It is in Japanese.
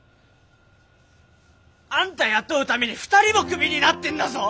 あんた雇うために２人もクビになってんだぞ！